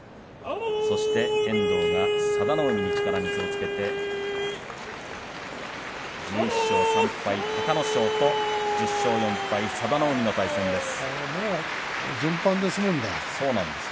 そして遠藤が佐田の海に力水をつけて１１勝３敗、隆の勝と１０勝４敗、佐田の海です。